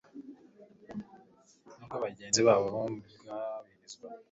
n ubwa bagenzi babo bwubahirizwa